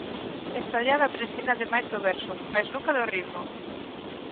Esta ollada prescinde ademais do verso, mais nunca do ritmo.